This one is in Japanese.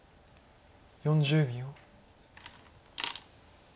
４０秒。